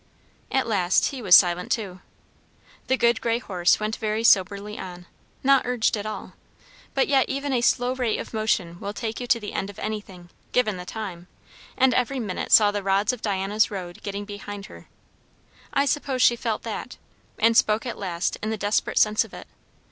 At last he was silent too. The good grey horse went very soberly on, not urged at all; but yet even a slow rate of motion will take you to the end of anything, given the time; and every minute saw the rods of Diana's road getting behind her. I suppose she felt that, and spoke at last in the desperate sense of it.